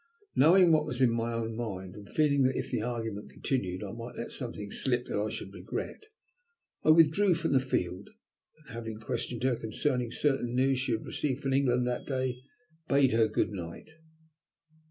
Knowing what was in my own mind, and feeling that if the argument continued I might let something slip that I should regret, I withdrew from the field, and, having questioned her concerning certain news she had received from England that day, bade her good night.